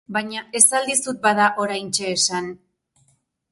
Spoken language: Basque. Baina ez al dizut, bada, oraintxe esan...?